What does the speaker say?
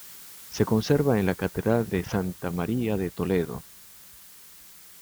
Se conserva en la Catedral de Santa María de Toledo.